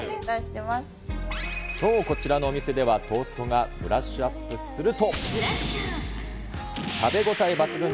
そう、こちらのお店では、トーストがブラッシュアップすると。